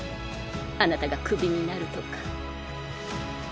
あなたがクビになるとか。